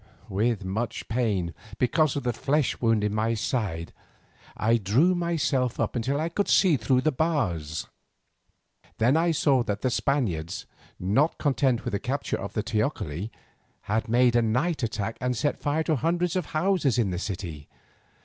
With much pain, because of the flesh wound in my side, I drew myself up till I could look through the bars. Then I saw that the Spaniards, not content with the capture of the teocalli, had made a night attack and set fire to hundreds of houses in the city.